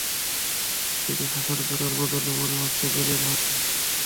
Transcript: জাতিকে শাসন করার বদলে মনে হচ্ছে জেলের ভাত খাওয়া লাগবে।